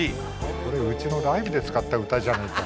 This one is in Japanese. これうちのライブで使った歌じゃないか。